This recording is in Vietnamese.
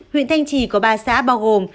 huyện thanh trì có ba xã bao gồm